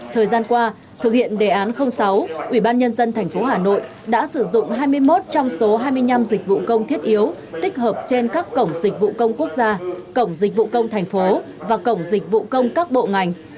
thời gian qua thực hiện đề án sáu ủy ban nhân dân tp hà nội đã sử dụng hai mươi một trong số hai mươi năm dịch vụ công thiết yếu tích hợp trên các cổng dịch vụ công quốc gia cổng dịch vụ công thành phố và cổng dịch vụ công các bộ ngành